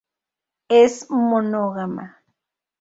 Es monógama.